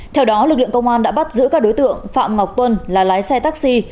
theo đó lực lượng công an đã bắt giữ các đối tượng phạm ngọc tuân là lái xe taxi